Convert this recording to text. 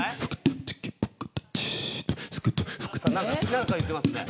何か言ってますね。